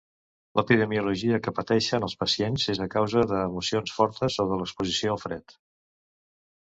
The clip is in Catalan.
L'epidemiologia que pateixen els pacients és a causa d’emocions fortes o de l’exposició al fred.